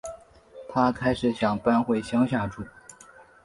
她开始想搬回乡下住